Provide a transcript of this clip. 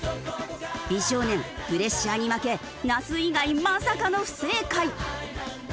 美少年プレッシャーに負け那須以外まさかの不正解。